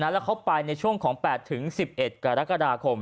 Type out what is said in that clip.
แล้วเขาไปในช่วงของ๘๑๑กรกฎาคม